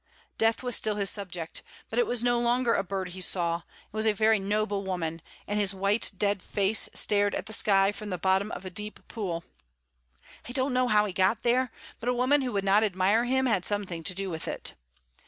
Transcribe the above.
Death was still his subject; but it was no longer a bird he saw: it was a very noble young man, and his white, dead face stared at the sky from the bottom of a deep pool. I don't know how he got there, but a woman who would not admire him had something to do with it.